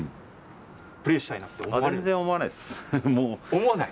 思わない？